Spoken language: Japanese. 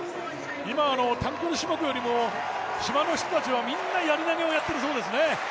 今、短距離種目よりも島の人たちはみんなやり投をやってるそうですね。